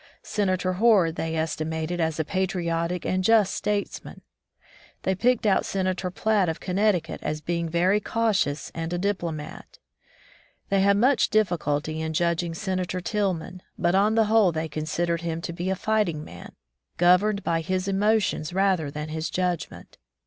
Senator Hoar they esti mated as a patriotic and just statesman. They picked out Senator Piatt of Connecticut 162 At the Nation's Capital as being very cautious and a diplomat. They had much difficulty in judging Senator Tillman, but on the whole they considered him to be a fighting man, governed by his emotions rather than his judgment.